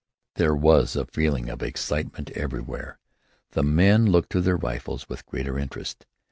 There was a feeling of excitement everywhere. The men looked to their rifles with greater interest.